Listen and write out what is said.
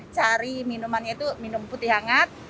cari minumannya itu minum putih hangat